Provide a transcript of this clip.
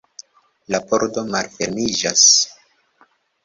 La pordo malfermiĝas.